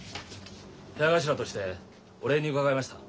部屋頭としてお礼に伺いました。